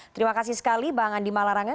terima kasih sekali bang andi malarange